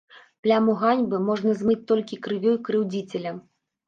Пляму ганьбы можна змыць толькі крывёй крыўдзіцеля.